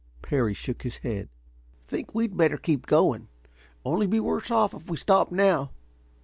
Parry shook his head. "Think we'd better keep going. Only be worse off if we stop now.